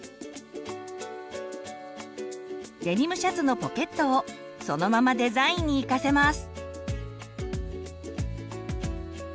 デニムシャツのポケットをそのままデザインに生かせます。